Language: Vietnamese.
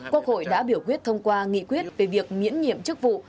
quốc hội đã biểu quyết thông qua nghị quyết về việc miễn nhiệm chức vụ